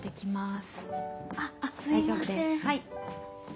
大丈夫ですはい。